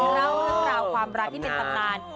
เรากลับกลับความรักที่เป็นตำราญ